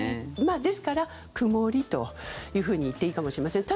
ですから、曇りというふうに言っていいかもしれません。